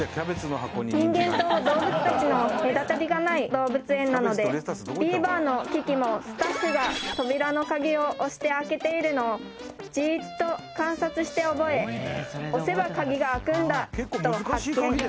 人間と動物たちの隔たりがない動物園なのでビーバーのキキもスタッフが扉の鍵を押して開けているのをジーッと観察して覚え押せば鍵が開くんだと発見